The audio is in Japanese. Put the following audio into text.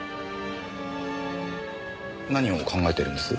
何を考えてるんです？